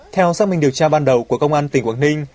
theo xác minh điều tra ban đầu của công an tỉnh quảng ninh